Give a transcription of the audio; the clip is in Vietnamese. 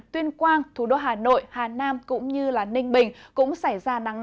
tuyên quang thủ đô hà nội hà nam cũng như ninh bình cũng xảy ra nắng nóng